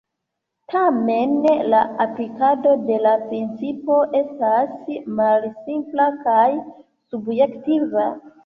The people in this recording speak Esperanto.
Tamen la aplikado de la principo estas malsimpla kaj subjektiva.